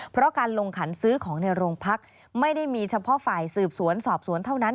เพราะการลงขันซื้อของในโรงพักไม่ได้มีเฉพาะฝ่ายสืบสวนสอบสวนเท่านั้น